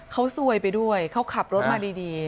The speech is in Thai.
เขาซวยไปด้วยเขาขับรถมาดี